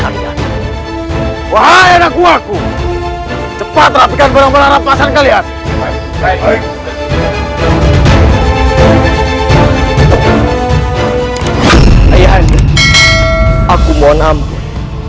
ayah anda aku mohon amat